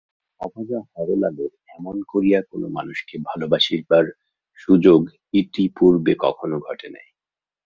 অভাগা হরলালের এমন করিয়া কোনো মানুষকে ভালোবাসিবার সুযোগ ইতিপূর্বে কখনো ঘটে নাই।